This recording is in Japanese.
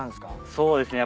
そうですね。